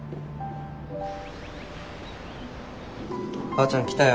ばあちゃん来たよ。